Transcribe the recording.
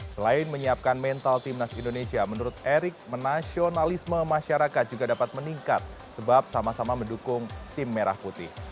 selain menyiapkan mental timnas indonesia menurut erick nasionalisme masyarakat juga dapat meningkat sebab sama sama mendukung tim merah putih